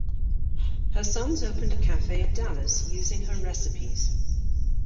Her sons opened a cafe in Dallas using her recipes.